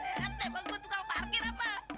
eh tebak gue tukang parkir apa